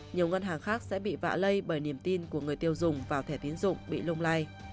nhiều ngân hàng khác sẽ bị vạ lây bởi niềm tin của người tiêu dùng vào thẻ tiến dụng bị lung lay